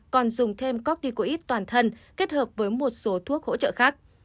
còn dùng thêm corticoid toàn thân kết hợp với một số thuốc hỗ trợ khác